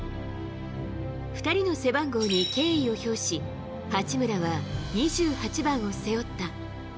２人の背番号に敬意を表し、八村は２８番を背負った。